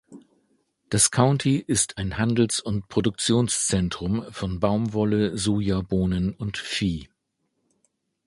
Das County ist ein Handels- und Produktionszentrum von Baumwolle, Sojabohnen und Vieh.